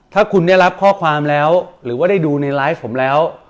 ถ้าคุณได้รับข้อความแล้วหรือว่าได้ดูในไลฟ์ผมแล้ว